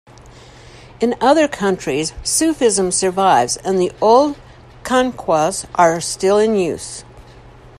In other countries, Sufism survives and the old khanqahs are still in use.